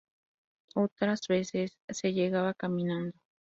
Otras veces se llegaba caminando.